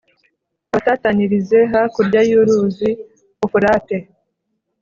abatatanirize hakurya y’uruzi Ufurate